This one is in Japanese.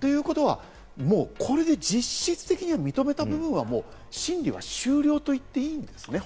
ということは、これで実質的には認めた部分は審理が終了と言っていいんですね？